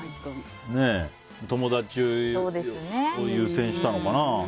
友達を優先したのかな。